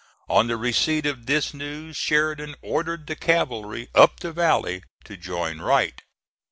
On the receipt of this news Sheridan ordered the cavalry up the valley to join Wright.